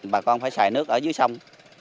bà con phải xài nước ở dưới sông